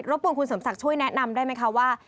บวนคุณเสริมศักดิ์ช่วยแนะนำได้ไหมคะว่า